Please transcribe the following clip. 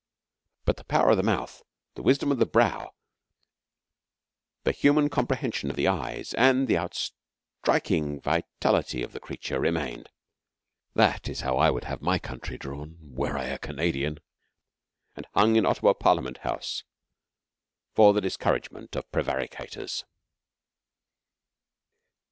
But the power of the mouth, the wisdom of the brow, the human comprehension of the eyes, and the outstriking vitality of the creature remained. That is how I would have my country drawn, were I a Canadian and hung in Ottawa Parliament House, for the discouragement of prevaricators.